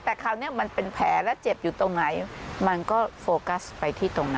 แต่คราวนี้มันเป็นแผลและเจ็บอยู่ตรงไหนมันก็โฟกัสไปที่ตรงนั้น